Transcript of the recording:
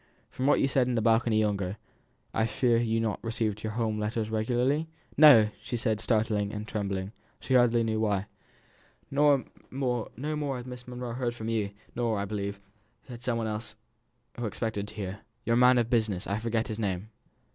"From what you said in the balcony yonder, I fear you have not received your home letters regularly?" "No!" replied she, startled and trembling, she hardly knew why. "No more has Miss Monro heard from you; nor, I believe, has some one else who expected to hear. Your man of business I forget his name."